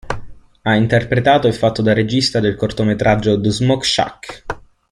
Ha interpretato e fatto da regista del cortometraggio "The Smoke Shack".